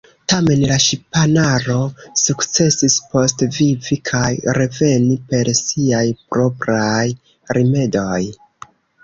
Tamen la ŝipanaro sukcesis postvivi kaj reveni per siaj propraj rimedoj.